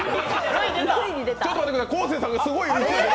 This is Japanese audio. ちょっと待ってください、昴生さんがすごい勢いで。